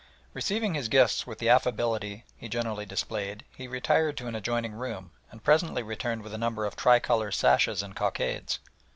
Receiving his guests with the affability he generally displayed, he retired to an adjoining room, and presently returned with a number of tricolour sashes and cockades.